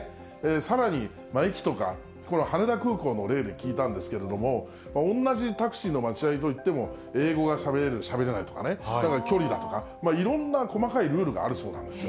さらに、駅とか、羽田空港の例で聞いたんですけれども、おんなじタクシーの待ち合いといっても、英語がしゃべれる、しゃべれないとか距離だとか、いろんな細かいルールがあるそうなんですよ。